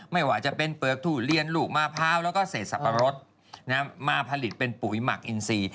ไม่ว่าจะเป็นเปลือกทุเรียนลูกมะพร้าวแล้วก็เศษสับปะรดมาผลิตเป็นปุ๋ยหมักอินซี